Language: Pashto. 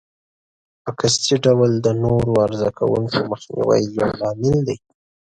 په قصدي ډول د نورو عرضه کوونکو مخنیوی یو لامل دی.